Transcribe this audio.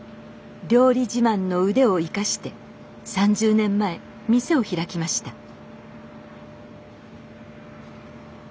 料理自慢の腕を生かして３０年前店を開きました